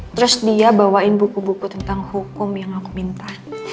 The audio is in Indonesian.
terus dia bawain buku buku tentang hukum yang aku minta